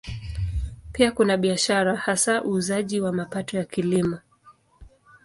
Pia kuna biashara, hasa uuzaji wa mapato ya Kilimo.